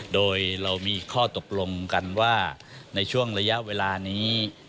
โดยเรามีข้อตกลงกันว่าในช่วงระยะเวลานี้